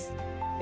え？